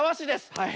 はい！